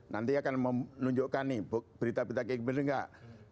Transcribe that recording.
nanti akan menunjukkan nih berita berita kayak gini enggak